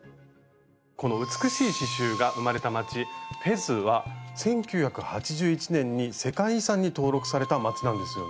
この美しい刺しゅうが生まれた街フェズは１９８１年に世界遺産に登録された街なんですよね。